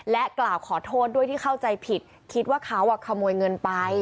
กล่าวขอโทษด้วยที่เข้าใจผิดคิดว่าเขาขโมยเงินไป